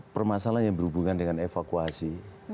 permasalahan yang berhubungan dengan evakuasi